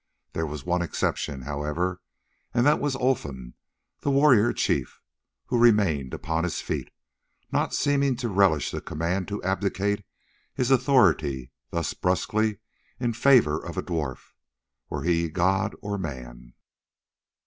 There was one exception, however, and that was Olfan, the warrior chief, who remained upon his feet, not seeming to relish the command to abdicate his authority thus brusquely in favour of a dwarf, were he god or man.